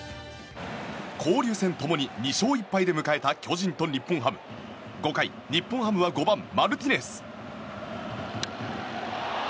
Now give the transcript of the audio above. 交流戦共に２勝１敗で迎えた巨人と日本ハム５回、日本ハムは５番マルティネス。